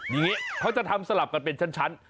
อย่างนี้เขาจะทำสลับกันเป็นชั้น